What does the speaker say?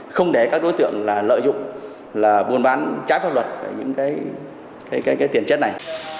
không để các đối tượng lợi dụng buôn bán trái pháp luật những cái tiền chất này